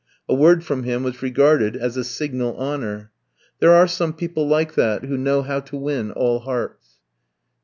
A word from him was regarded as a signal honour. There are some people like that, who know how to win all hearts.